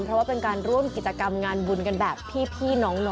เพราะว่าเป็นการร่วมกิจกรรมงานบุญกันแบบพี่น้อง